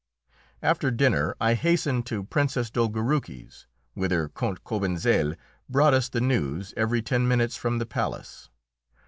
After dinner I hastened to Princess Dolgoruki's, whither Count Cobentzel brought us the news every ten minutes from the palace.